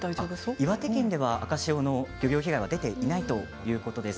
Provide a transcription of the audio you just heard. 岩手県では赤潮での漁業被害は出ていないということです。